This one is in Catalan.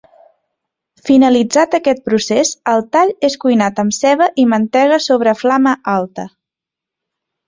Finalitzat aquest procés, el tall és cuinat amb ceba i mantega sobre flama alta.